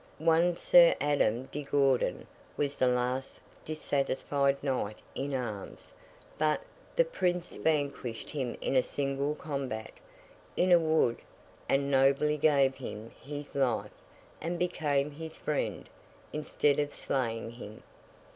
One Sir Adam de Gourdon was the last dissatisfied knight in arms; but, the Prince vanquished him in single combat, in a wood, and nobly gave him his life, and became his friend, instead of slaying him.